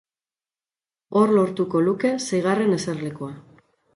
Hor lortuko luke seigarren eserlekua.